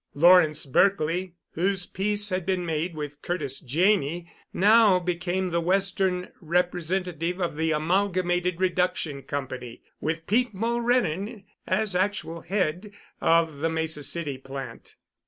Lawrence Berkely, whose peace had been made with Curtis Janney, now became the Western representative of the Amalgamated Reduction Company, with Pete Mulrennan as actual head of the Mesa City plant.